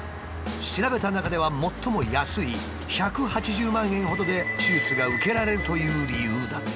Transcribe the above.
調べた中では最も安い１８０万円ほどで手術が受けられるという理由だった。